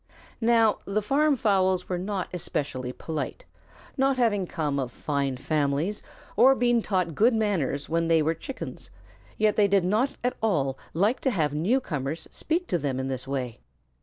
Now the farm fowls were not especially polite, not having come of fine families or been taught good manners when they were Chickens, yet they did not at all like to have newcomers speak to them in this way.